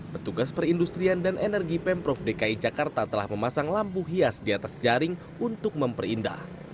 petugas perindustrian dan energi pemprov dki jakarta telah memasang lampu hias di atas jaring untuk memperindah